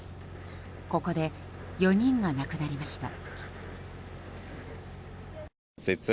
ここで４人が亡くなりました。